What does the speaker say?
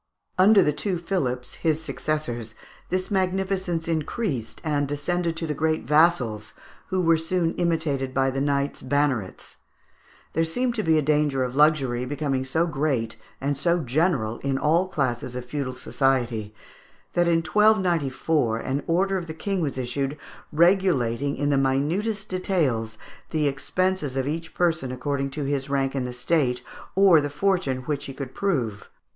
Under the two Philips, his successors, this magnificence increased, and descended to the great vassals, who were soon imitated by the knights "bannerets." There seemed to be a danger of luxury becoming so great, and so general in all classes of feudal society, that in 1294 an order of the King was issued, regulating in the minutest details the expenses of each person according to his rank in the State, or the fortune which he could prove.